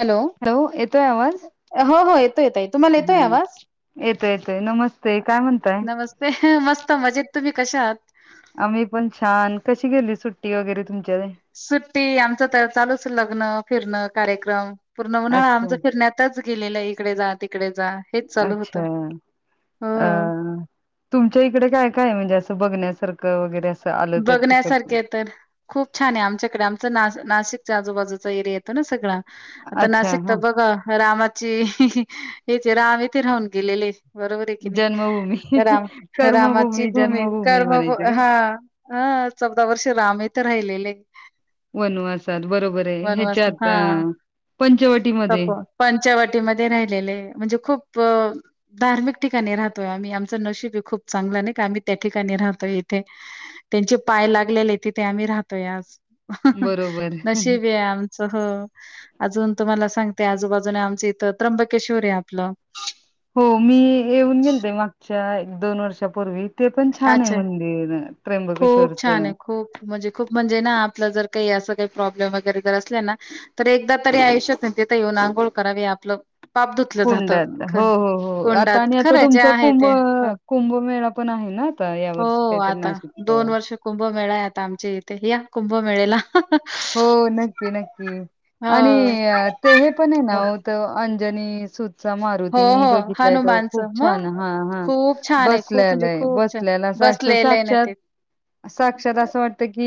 Hello येतोय आवाज? हो हो येतो येतोय तुम्हाला येतोय हा आवाज? येतो येतोय नमस्ते काय म्हणताय? ते मस्त मजेत तुम्ही कश्या आहात? आम्ही पण छान कशी गेली सुट्टी वगैरे तुमच्या सुट्टी आमच तर चालूच लग्न फिरणं कार्यक्रम पूर्ण उन्हाळा आमच अच्छा फिरण्यात ताच गेलेलं इकडे जा तिकडे जा हेच चालू होतं. अच्छा! हो अह तुमच्या इकडे काय काय म्हणजे असं बघण्यासारखं वगैरे असं आलं तर तिकड? बघण्यासारखे तर खूप छान आहे आमच्याकडे आमचं ना नाशिकच्या आजूबाजूचा एरिया येतो ना सगळा. आता अच्छा नाशिक तर हा बघ रामाची हेथ राम येथे राहून गेलेले. बरोबर आहे की नाही जन्मभूमी राम रामाची कर्मभूमी भूमी जन्मभूमी कर्म म्हणायचं काय? हा. ह चौदा वर्ष राम हिते राहिलेले. वनू असात बरोबर आहे वनवास ह्याच्यात अ हां. पंचवटीमध्ये तप पंचवटीमध्ये राहिलेले म्हणजे खूप धार्मिक ठिकाणी राहतोय आम्ही आमचं नशीब खूप चांगलं नाही का आम्ही त्या ठिकाणी राहतोय इथे त्यांचे पाय लागलेले तिथे आम्ही राहतोय आज बरोबर नशीब आहे आम. स हो अजून तुम्हाला सांगते आजूबाजूने आमच इथं त्र्यंबकेश्वर आहे आपलं. हो मी येऊन गेलते मागच्या एक दोन वर्षापूर्वी. ते पण छान आहे अच्छा. मंदिर खूप छान त्र्यंबकेश्ोवरचं. आहे. खूप म्हणजे खूप म्हणजे ना आपलं जर काही असं काही प्रॉब्लेम वगैरे जर असल्या ना. तर एकदा तरी आयुष्यात नाही तिथे येऊन आंघोळ करावी आपलं. पाप धुतलं जातं. कुंड्याात ख हो हो हो आता कुंडात आणि आता खरं जे तुमचा आहे कुंभ ते. हं, कुंभमेळा पण आहे ना. या हो वर्षी काहीतरी आता नाशिकता. वर्ष कुंभमेळा आहेतता आमचे इथे या कुंभमेळेला. ह. हो नक्की नक्की आणि हो, ते हे पण आहे ना. हो, अंजनी सु. हो, मारुती मी हो. बघितलाय त हनुमानचं खूप मग छान हा हा खूप बसल्यालाय बसल्याला. लेलेय नाही साक्षात ते. साक्षात असं वाटत की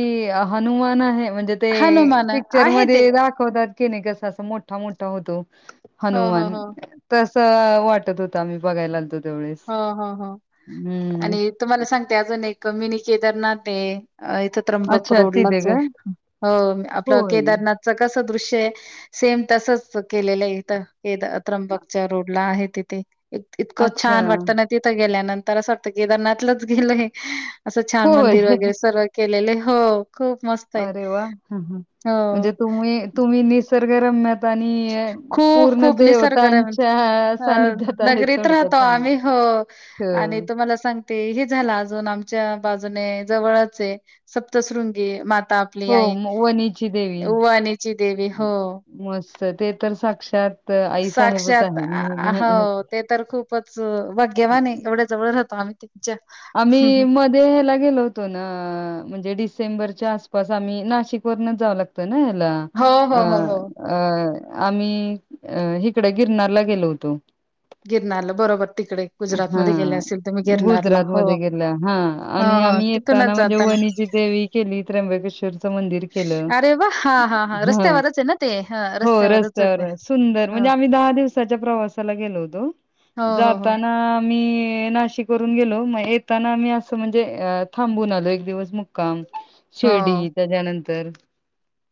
हनुमान आहे म्हणजे ते हनुमान पिक्चर आहे ते. मध्ये. ावतात की नाही कस अस मोठा मोठा होतो हो, हो, हनुमान. हो. तस वाटत होत आम्ही बघायला आलतो तेवढळेस हो, हो, हो. हम्म. आणि तुम्हाला सांगते अजं नाही क मीनी केदार नाते. इथं त्र्यंबकू अच्छा तिथे रोडलाच का? आहे आपलं होय. केदारनाथ. कस दृश्य आहे सेम तसच केलेलं इथं. हे त्र्यंबकच्या रोड ला आहे तिथे इतकं अच्छा. छान वाटत ना. तिथं गेल्यानंतर असं वाटतं केदारनाथच गेलय असं छान होय. मंदिर वगैरे सर्व. केलेले हो. खूप मस्त. आहे अरे वाह ह हो म्हणजे तुम्ही तुम्ही निसर्गरम्यत. पण खूप पूर्ण खूप निसर्गरम्य देवतांच्या अ, सानिध्यात आहेत नगरीत थोडक्या राहतो सांग- आम्ही हो. आणि हं. तुम्हाला सांग ते हे झाला अजून आमच्या बाजूने जवळचय सप्तशृंगी माता आपली हो, आई म वणीची देवी. उवानीची देवी हो मस्त ते तर साक्षात आई साहेबच साक्षात हो आहे. ते तर खूपच भाग्यवान आहे एवढ्या जवळ राहतो आम्ही तेच्या. आम्ही म ह्याला गेलो होतो ना म्हणजे डिसेंबरच्या आसपास आम्ही नाशिक वरनच जावं लागत ना ह्याला? हो, अ हो, हो, हो. अ आम्ही अ हिकड गिरनारला गेलो होतो. गिरणारला बरोबर तिकडे गुजरात मध्ये गेले असेल तर मी गिरणार गुजरात मध्ये गेल्या हा आणि आम्ही येताना तिथूनच म्हणजे जाताना. वणीची देवी केली त्र्यंबकेश्वर मंदिर केलं अरे वाह! हां, हां, हां. ह रस्त्यावरच आहे ना ते? हां, हो रस्त्यावरच होते. रस्त्यावर सुंदर हो, म्हणजे आम्ही दहा दिवसाच्या प्रवासाला गेलो होतो. हो, हो, हो. जाताना मी नाशिक गेलो म येताना मी असं म्हणजे थांबून आलो एक दिवस मुक्काम. हो. शिर्डी त्याच्यानंतर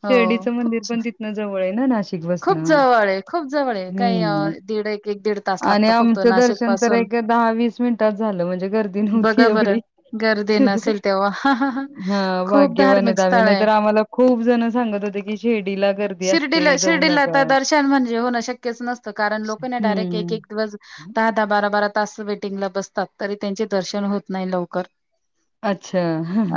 हो शिर्डीचं खूप मंदिर छ पण तिथन जवळ आहे ना नाश. खूप जवळ आहे खूप जवळ आहे हम्म. काही दीड एक एक दीड तास आणि लागतो फक्त आमचं नाशिक दर्शन तर पासून. एक दहा वीस मिनटात. झाल म्हणजे गर्दी नव्हती बघा बरं एवढी गर्दी नसेल तेव्हा. खूप हाग्यवान. धार्मिक स्थळ नाही आहे. तर आम्हाला खूप जण सांगत होते की शेडीला. शिर्डीला शिर्डीला तर दर्शन म्हणजे होणं शक्यच नसतं कारण लोक ना डायरेक्ट एक एक हम्म. दिवस दहा दहा बारा बारा तास वेटिंगला बसतात तरी त्यांचे दर्शन होत नाही लवकर अच्छा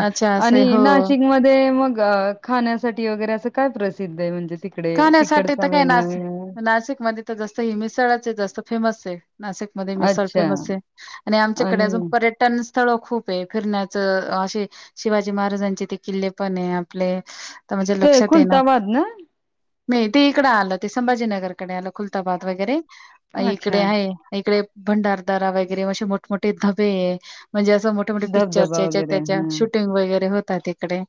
अच्छा असे आणि हो. नाशिकमध्ये मग खाण्यासाठी वगैरे असं काय प्रसिद्ध आहे म्हणजे तिकडे खाण्यासाठी तिकडचा तर काय नाशिक मेनू? नाशिक मध्ये जस मिसळच आहे जास्त फेमसच आहे? नाशिकमध्ये मिसळ अच्छा फेमस आहे आणि आमच्याकडे अजून आणि पर्यट न स्थळ खूप आहे फिरण्याचं असे शिवाजी महाराजांचे ते किल्ले पण आपले तर म्हणजे ते लक्षात ये ना खुलताबाद ना नाही ते इकडं आलं ते संभाजीनगरकडे आलं खुलताबाद वगैरे इकडे अच्छा. आहे इकडे भंडारदारा वगैरे म्ह मोठमोठे धबे म्हणजे असं मोठ मोठे मोठे पिक्चर धबधबा याच्या वगैरे. त्याच्या हां. शूटिंग वगैरे होतात तिकडे.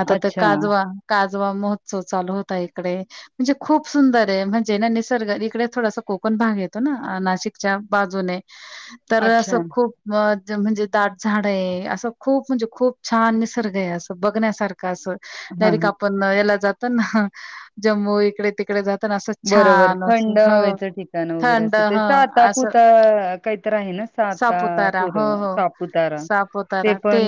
आता तर अच्छा, काजवा काजवा महोत्सव चालू होता इकडे. म्हणजे खूप सुंदर आहे म्हणजे ना निसर्ग इकडे थोडासा कोकण भाग येतो ना नाशिकच्या बाजूने तर अच्छा. असं खूप म म्हणजे दाट झाड आहे असं खूप म्हणजे खूप छान निसर्ग आहे असं बघण्यासारखं असं- हां, डायरेक्ट हां. आपण याला जातो ना जम्मू इकडे तिकडे जात बरोबर थंड हवेचं ठिकाण वगैरे थंड असं ते ह स असं आतापुता काहीतर आहे ना? सापुतारा सातापुर हो हो सापुतारा ते सापुतारा ते पण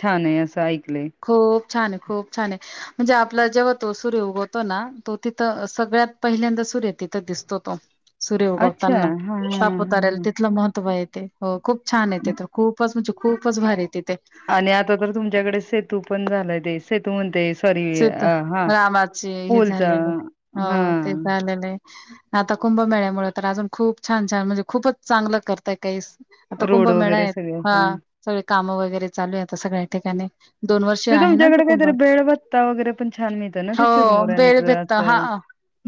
छान आहे असं ऐकलंय? खूप छान आहे खूप छान आहे म्हणजे आपलं जेव्हा तो सूर्य उगवतो ना तो तिथं सगळ्यात पहिल्यांदा सूर्य तिथं दिसतो तो- सूर्य अच्छा. उगवताना हां, हां, हां, तापतार्याला हां. तिथलं महत्त्व आहे तेे हो खूप. छान येते तर खूपच म्हणजे खूपच भारी तिथे आणि आता तर तुमच्याकडे सेतू पण झालाय देस सेतु म्हणते सॉरी सीत अ हा रामाची हे पुलचा झालेले हा हो ते झालेलं आहे आता कुंभमेळ्यामुळे तर अजून खूप छान छान म्हणजे खूपच चांगलं करताय काही आता रोड कुंभमेळा वगैरे आहेत सगळं हां. हा सगळी कामं वगैरे चालू आहेत सगळ्या ठिकाणी दोन वर्ष ते आहे ना तो तुमच्याकडे कुंभ काहीतरी बेळवत्ता वगैरे पण छान मिळत ना ते हो बेळ चिरमुऱ्यांच भेटत हा असं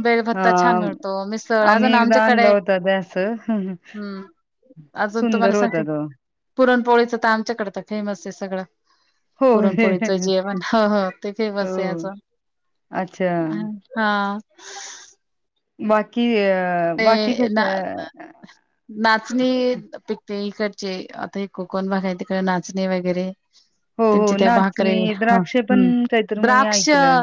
बेळ हा भत्ता छान मिळतो मिसळ आम्ही अजून एकदा आणला आमच्याकडे होता त्यास ह ह हम्म सुंदर होता तो पुरणपोळीच तर आमच्याकड तर फेमस आहे सगळं हो, पुरणपोळीच जेवण हो हो ते फेमस आहे ह्याच हो. अच्छा. हा बाकी अ बाकी ते कस ना [unintelligible] नाचणी पिकते इकडचे आता हे कोकण भाग आहे तिकडे नाचणे वगैरे हो, हो. त्यांच्या त्या भाकरी नाचणी, हा द्राक्षे पण हम काहीतरी मी द्राक्ष ऐकलंय.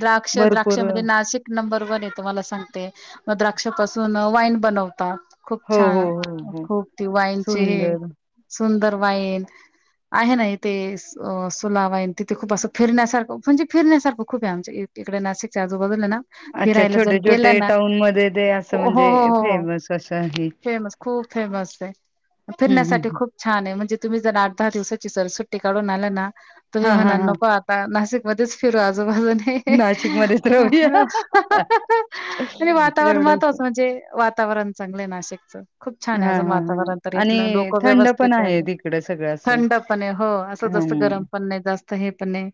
द्राक्ष भरपूर द्राक्षामध्ये नाशिक नंबर वन येत मला सांगते म द्राक्षापाासून वाईन बनवतात खूप हो, हो, छान हो, हो. खूप ती वाईनची हे सुंदर सुंदर वाईन आहे ना इथे स सुलावाईन तिथे खूप असं फिरण्यासारखं म्हणजे फिरण्यासारखं खूप आहे आमच्या इ इकडे नाशिकच्या आजूबाजूल आहे ना अच्छा छोटे छोटे टाऊन मध्ये ते अस ओहो हो हो हो फेमस खूप फेमस आहे हं हं फिरण्यासाठी खूप हं खूप छान आहे म्हणजे तुम्ही जर आठ दहा दिवसाची सरसट्टी काढून आला ना तुम्ही हां हां म्हणा हां नको आ ता नाशिकमध्येच फिरू आजूबाजूने नाशिकमध्येच राहूया आणि वा एवढंच मुळातच म्हणजे वातावरण चांगलंय नाशिकचं खूप छान आहे हां अजून हां हां वातावरण तर आणि इथलं लोक थंड पण व्यवस्थित आहे आहेत तिकडं सगळं असं थंड पण हो जास्त हं गरम पण नाही जास्त हे पण नाही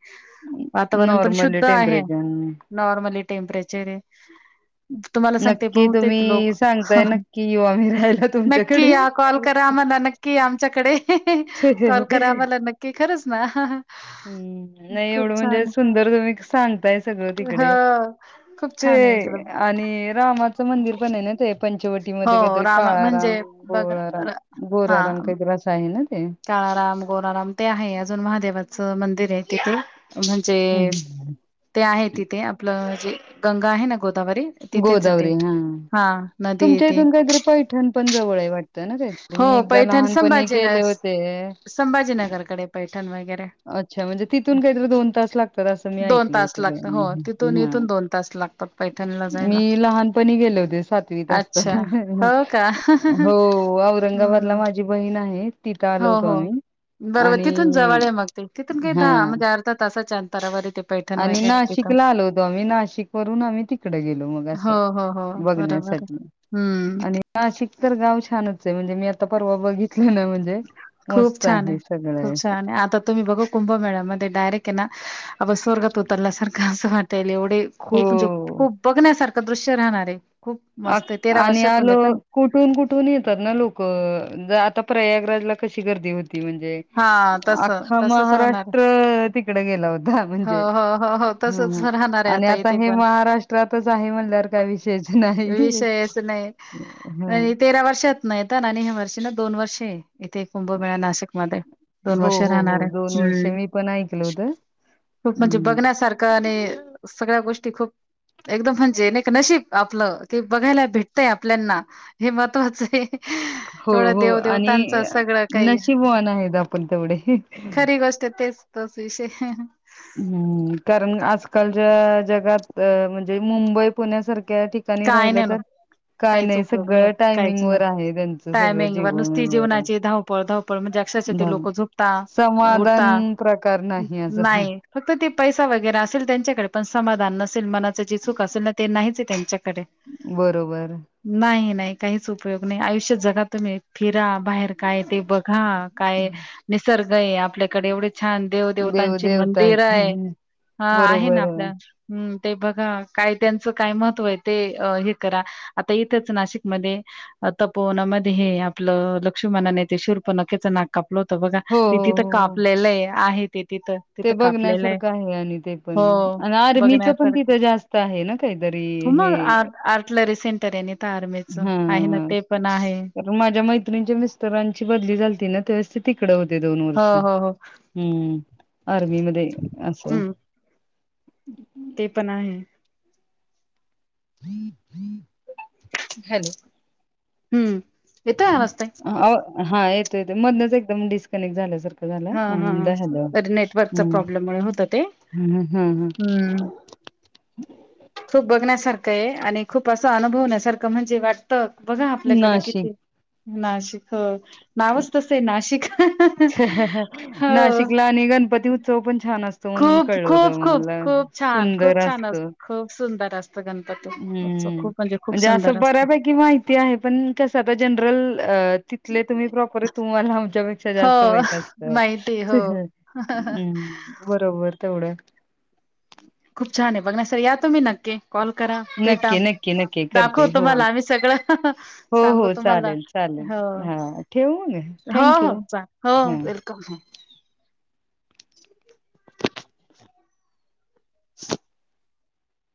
वातावरण पण नॉर्मली शुद्ध आहे? टेम्परेचर नॉर्मली टेम्परेचर आहे. तुम्हाला सांगते नक्की बहुतेक तुम्ही लोक सांगताय नक्की येऊ आम्ही राहायला नक्की तुमच्याकडे या कॉल करा आ मला न की या? कि आमच्याकडे कॉल करा हम्म आम्हाला नक्की खरंच ना? हम्म नाही खूप एवढं म्हणजे छान सुंदर तुम्ही सांगताय सगळं तिकडे हो खूप ते छान आहे इकडं आणि रामाचं मंदिर पण आहे ना ते पंचवटी मध्ये हो काहीतरी राम काळाराम म्हणजे बघ गोळारा हा गोरारंग काहीतरी असं आहे ना ते काळाराम गोराराम ते आहे अजून महादेवाचं मंदिर आहे तिथ म्हणजे हम्म. ते आहे तिथे आपलं जे गंगा आहे ना गोदावरी तिथेच येते गोदावरी हा हा नदी तुमच्या येते इथून काहीतरी पैठण पण जवळ आहे वाटत ना ते हो मी एकदा पैठण लहानपणी गेले संभाजीनगर होते संभाजीनगरकडे पैठण वगैरे अच्छा म्हणजे तिथून काहीतरी दोन तास लागतात असं मी ऐकल होत [unintelligible] दस लाख मी लहानपणी गेले होते सातवीत अच्छा. असताना ह ह हो का? हो ओ औरंगाबादला हं. माझी बहीण आहे तिथं हो आलो होतो हो आम्ही बरवतिथून आणि जवळ मग ते तिथून काही हा दा म्हणजे अर्ध्या तासाच्या अंतरावर ते पैठण आणि वगैरे तिथं. नाशिकला आलो होतो आम्ही नाशिक वरून आम्ही तिकड गेलो मग असं बघण्यास [unintelligible] हम्म आणि नाशिक तर गाव छानच आहे म्हणजे मी आता परवा बघितलं ना म्हणजे खूप मस्त छान आहे सगळं खूप असं छान आहे आता तुम्ही बघू कुब्बा मॅडम म ते डायरेट ना आप स्वर्गात उतरल्यासारख असं वाटायल ए ते खूप म्हणजे हो खूप बघण्यासारखं दृश्य राहणार आहे खूप आ मस्त आहे तेरा आणि वर्षातून आलो येत ना कुठून कुठून येतात ना लोक ज आता प्रयागराजला कशी गर्दी होती म्हणजे हां, तसं. आख्खा तसंच राहणार. महाराष्ट्र तिकड गेला होता हो, म्हणजे हो, हो, हो हम्म तसच हम्म राहणार आहे आणि आता इथे हे पण महाराष्ट्रातच आहे म्हणल्यावर काय विषयच नाही विषयच नाही ह आणि तेरा वर्षात नाहीता ना आणि ह्या वर्षी ना दोन वर्षे आहे इथे कुंभमेळा नाशिकमध्ये दोन वर्षे राहणार आहे हम्म पनाय कलो खूप म्हणजे बघण्यासारखं आणि सगळ्या गोष्टी खूप एकदम म्हणजे नशीब आपलं ते बघायला भेटतंय आपल्याना हे महत्त्वाच आहे हो एवढं हो देव आणि देेवतांचं सगळं काही नशीबवान आहेत आपण तेवढे. खरी गोष्ट तेच तच विषय हम्म कारण आजकालच्या जगात तर म्हणजे मुंबई पुण्यासारख्या ठिकाणी काय राहिलं नाही ना तर काय काहीच उपयोग नाही सगळं काहीच टायमिंग नाही वर आहे त्यांचं सगळं टायमिंग व नुसती जीवनवर आहे. जेवणाची धाव पळधावपळ म्हणजे अक्षरश ते धाव लोक झुपत उठत समाधान प्रकार नाही असा नाही फक्त ते पैसा वगैरे असेल त्यांच्याकडे पण समाधान नसेल मनाचं जे चूक असेल ना ते नाहीच त्यांच्याकडे कडे बरोबर नाही नाही काहीच उपयोग नाही आयुष्यात जगा तुम्ही फिरा बाहेर काय ते बघा काय निसर्ग आहे आपल्याकडे एवढे छान देव देवदेवतांची देवता आहेत मंदिर आहे हा आहे ना आपल्या हम्म ते बघा काय त्यांचं काय महत्व आहे ते अ हे करा आता इथंच नाशिकमध्ये अ तपवनामध्ये हे आपलं लक्ष्मणाने ते शिर्प नकेच नाक कापल होत बघा हो हो तिथि तर हो. कापलेलंय आहे तिथि तर ते बघण्यासारखं आहे आणि ते पण आणि आर्मीचं पण बघण्यासारखं. तिथे जास्त आहे ना काहीतरी हो मग हे आर्ट आर्टलरि सेंटर आहेन तर आर्मेचं आहे ना ते पण आहे ग माझ्या मैत्रिंच्या मिस्तरांची बदली झालती ना तेवेळेस ते तिकडे होते दोन हो, वर्ष हो, हो. हम्म आर्मी मध्ये असं हं, ते पण आहे हॅलो हम्म हा येत येते मधनच एकदम डिस्कनेक्ट झाल्या सार झाला हां, हम् हलो हां. नेटवर्कच्या हम् प्रॉब्लेममुळे होतं ते. हम्म हम्म हम् हं. खूप बघण्यासारखं आहे आणि खूप असं अनुभवण्यासारखं म्हणजे वाट तक बघा आपल्याकडे नाशिक किती नाशिक ह नावच तसं आहे नाशिक हो नाशिकला आणि गणपती उत्सव पण छान असतो म्हणून खूप कळव द खूप खूप मला खूप छान सुंदर खूप छान असत अस खूप सुंदर असतं गणपती उत्सव हम्म खूप खूप म्हणजे सुंदर असं असतं बऱ्यापैकी माहिती ते आहे पण कस आता जनरल अ तिथले तुम्ही प्रॉपर आहे तुम्हाला आमच्यापेक्षा हो जास्त व माहिती हो असतम् बरोबर तेवढं खूप छान आहे बघण्यासर या तो मी नक्की कॉल करा भेटा नक्की, नक्की, नक्की दाखव करते. हो, तुम्हाला आमी सगळ हो, सांगू हो, तुम्हाला चालेल, चालेल. हो हां, ठेवू मग? हो थँक हो यू. चाल हो हां. वेलकम आहे [unintelligible]